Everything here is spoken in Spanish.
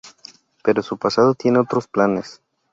Pero su pasado tiene otros planes.